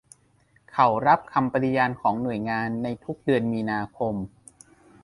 เขารับคำปฏิญาณของหน่วยงานในทุกเดือนมีนาคม